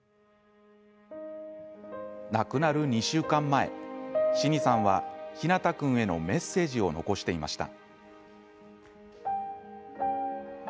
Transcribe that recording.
亡くなる２週間前信義さんは陽向君へのメッセージを残していました。